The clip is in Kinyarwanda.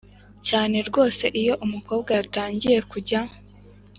Cyane rwose iyo umukobwa yatangiye kujya